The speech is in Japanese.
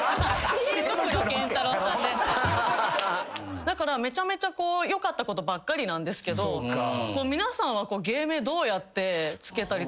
だからめちゃめちゃこうよかったことばっかりなんですけど皆さんはこう芸名どうやってつけたりとか。